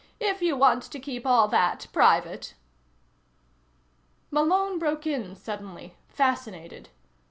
"If you want to keep all that private." Malone broke in suddenly, fascinated.